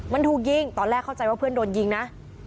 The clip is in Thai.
มันถูกยิงตอนแรกเข้าใจว่าเพื่อนโดนยิงนะ